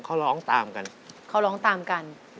เค้าร้องตามกัน